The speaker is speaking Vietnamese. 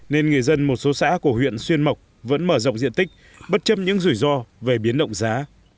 nên người dân một số xã của huyện xuyên mộc vẫn mở rộng diện tích bất chấp những rủi ro về biến động giá